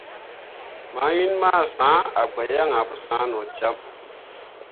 Mawin masǝ̃he a gbǝ yaŋ ahe pǝ sah no cam.